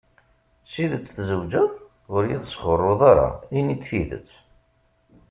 D tidet tzewǧeḍ? ur iyi-d-sxurruḍ ara, ini-d tidet.